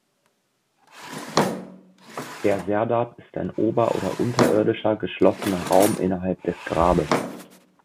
Der Serdab ist ein ober- oder unterirdischer, geschlossener Raum innerhalb des Grabes.